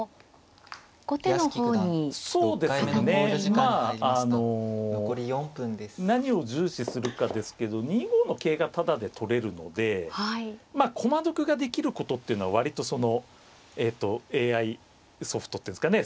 まああの何を重視するかですけど２五の桂がタダで取れるのでまあ駒得ができることっていうのは割とそのＡＩソフトっていうんですかね